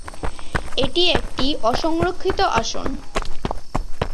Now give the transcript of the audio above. এটি একটি অসংরক্ষিত আসন।